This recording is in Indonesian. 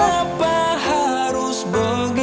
kenapa harus begini